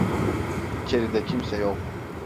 İçeride kimse yok.